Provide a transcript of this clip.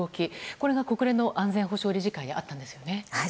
これが国連の安全保障理事会であったんですよね。